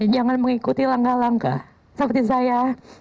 jangan mengikuti langkah langkah seperti saya